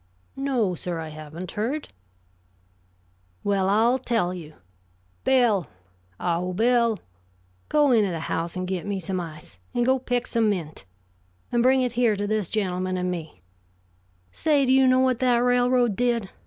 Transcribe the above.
"No, sir, I haven't heard." "Well, I'll tell you Bill! Oh, Bill! Go into the house and get me some ice; and go pick some mint and bring it here to this gentleman and me Say, do you know what that railroad did?